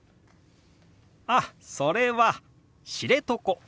あっそれは「知床」。